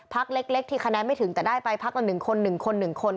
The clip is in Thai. พักเล็กที่คะแนนไม่ถึงแต่ได้ไปพักละ๑คน๑คน๑คน